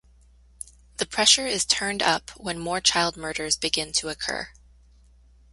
The pressure is turned up when more child murders begin to occur.